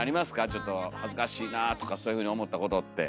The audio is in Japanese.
ちょっと恥ずかしいなあとかそういうふうに思ったことって。